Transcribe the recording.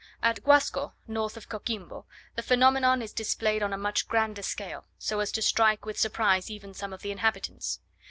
At Guasco, north of Coquimbo, the phenomenon is displayed on a much grander scale, so as to strike with surprise even some of the inhabitants.